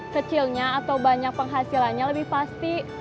kecilnya atau banyak penghasilannya lebih pasti